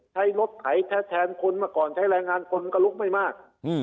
ใช้รถไถแทนคนเมื่อก่อนใช้แรงงานคนก็ลุกไม่มาก